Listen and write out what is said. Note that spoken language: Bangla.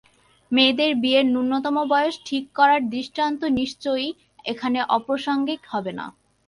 মেয়েদের বিয়ের ন্যূনতম বয়স ঠিক করার দৃষ্টান্ত নিশ্চয়ই এখানে অপ্রাসঙ্গিক হবে না।